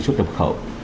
chốt trập khẩu